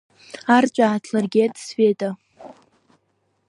Арҵәаа ааҭлыргеит Света.